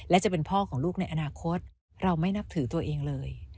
และจะเป็นพ่อของลูกในอนาคตเราไม่นับถือตัวเองเลย